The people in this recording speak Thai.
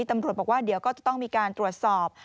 ตำรวจบอกว่าเดี๋ยวก็จะต้องมีการตรวจสอบ